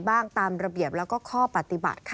ที่แกล้งตามระเบียบแล้วก็ข้อปฏิบัตย์ค่ะ